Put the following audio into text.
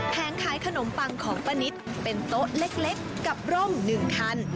ขายขนมปังของป้านิตเป็นโต๊ะเล็กกับร่ม๑คัน